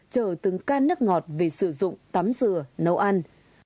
chờ từng can nước ngọt về sử dụng tắm dừa nấu ăn